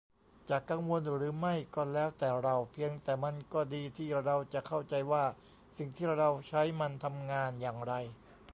จะกังวลหรือไม่ก็แล้วแต่เรา เพียงแต่มันก็ดีที่เราจะเข้าใจว่าสิ่งที่เราใช้มันทำงานอย่างไร